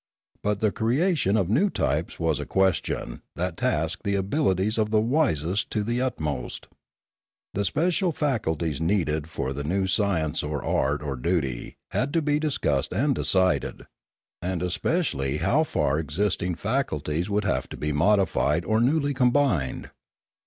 But the creation of new types was a question that tasked the abilities of the wisest to the utmost. The special faculties needed for the new science or art or duty had to be discussed and decided; and especially how far existing faculties An Accident 343 would have to be modified or newly combined.